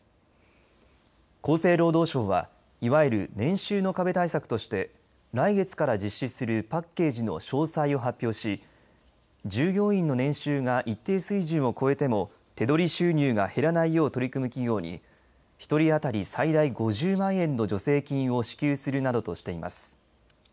厚生労働省はいわゆる年収の壁対策として来月から実施するパッケージの詳細を発表し従業員の年収が一定水準を超えても手取り収入が減らないよう取り組む企業に１人当たり最大５０万円の助成金を支給するなどとしています。